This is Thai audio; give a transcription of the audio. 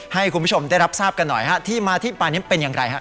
ให้คุณผู้ชมได้รับทราบกันหน่อยฮะที่มาที่ไปนี้เป็นอย่างไรฮะ